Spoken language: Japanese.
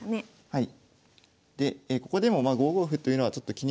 はい。